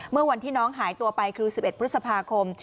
เมื่อวันที่น้องหายตัวไปคือ๑๑พฤษภาคม